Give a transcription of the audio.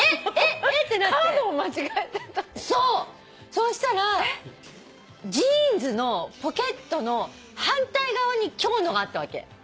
そしたらジーンズのポケットの反対側に今日のがあったわけ。